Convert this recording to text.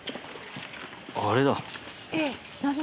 あれだ。